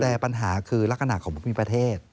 แต่ปัญหาคือลักษณะของผู้มีประเทศ